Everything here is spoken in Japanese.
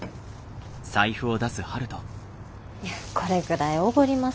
いやこれぐらいおごります。